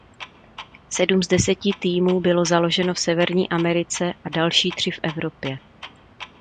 Sedm z deseti týmů bylo založeno v Severní Americe a další tři v Evropě.